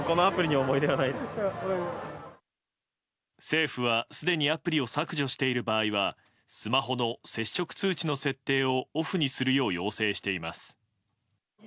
政府は、すでにアプリを削除している場合はスマホの接触通知の設定をオフにするよう要請しています。